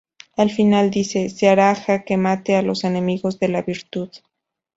Al final, dice: "Se hará jaque mate a los enemigos de la virtud".